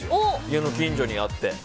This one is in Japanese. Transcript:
家の近所にあって。